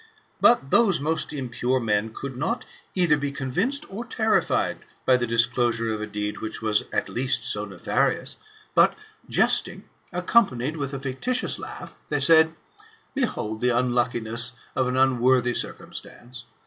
But those most impure men could not either be convinced or terrified by the disclosure of a deed which was at least so nefarious, but jesting, accompanied with a fictitious laugh, they said, '* Behold the unluckiness of an unworthy circumstance